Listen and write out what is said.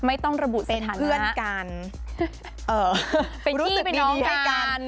ไม่ต้องระบุสถานะเป็นเพื่อนกันเป็นที่เป็นน้องให้กัน